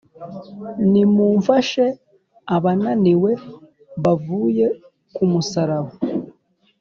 nimufashe abananiwe bavuye ku musaraba.